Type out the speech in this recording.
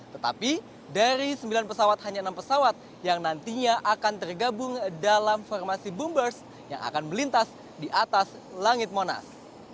tetapi dari sembilan pesawat hanya enam pesawat yang nantinya akan tergabung dalam formasi boombers yang akan melintas di atas langit monas